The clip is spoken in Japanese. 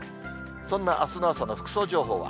そんなあすの朝の服装情報は。